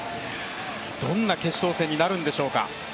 どんな決勝戦になるんでしょうか。